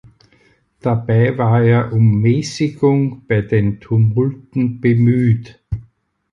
Dabei war er um Mäßigung bei den Tumulten bemüht.